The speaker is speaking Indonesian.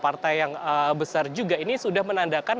partai yang besar juga ini sudah menandakan